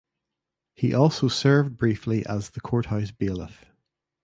He also served briefly as the courthouse bailiff.